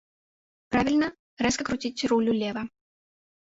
Правільна, рэзка круціць руль улева.